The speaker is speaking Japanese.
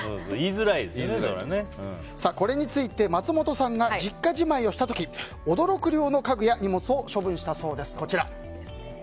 これについて、松本さんが実家じまいをした時驚く量の家具や荷物を処分したそうです。